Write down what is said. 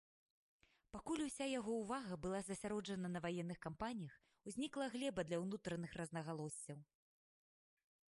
Пакуль уся яго ўвага была засяроджана на ваенных кампаніях, узнікла глеба для ўнутраных рознагалоссяў.